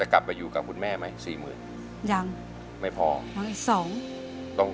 หายด้านสอง